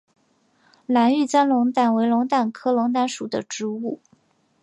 蓝玉簪龙胆为龙胆科龙胆属的植物。